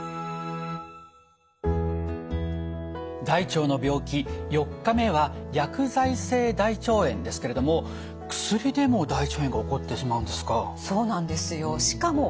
大腸の病気４日目は薬剤性大腸炎ですけれども薬でも大腸炎が起こってしまうんですか。